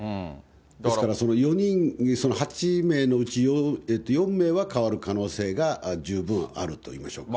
ですから、４人、８名のうち４名は代わる可能性が十分あるといいましょうか。